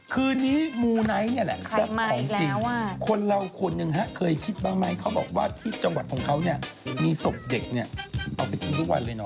คือนี้มู่นไนท์เนี่ยแหละสับของจริงคนเราขวดนึงค่ะเคยคิดบางมายเขาบอกว่าที่จังหวัดของเขาแบบเนี่ยมีศพเด็กเอาไปทิ้งทุกวันเลยน้อง